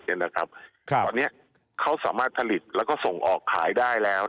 ตอนนี้เขาสามารถผลิตแล้วก็ส่งออกขายได้แล้ว